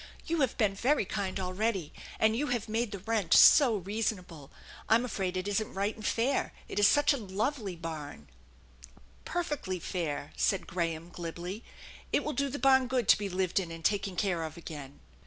"You have been very kind already, and you have made the rent so reasonable ! I'm afraid it isn't right and fair ; it i such a lovely barn !"" Perfectly fair," said Graham glibly. "It will do the barn good to be lived in and taken care of again."